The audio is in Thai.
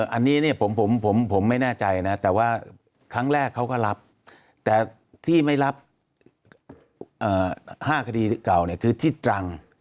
อันนี้เนี่ยผมไม่แน่ใจนะแต่ว่าครั้งแรกเขาก็รับแต่ที่ไม่รับ๕คดีเก่าเนี่ยคือที่ตรัง